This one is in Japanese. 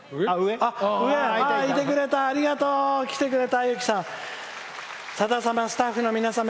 あ、いてくれたありがとう。来てくれた。